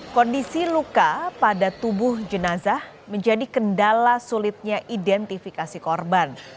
kondisi luka pada tubuh jenazah menjadi kendala sulitnya identifikasi korban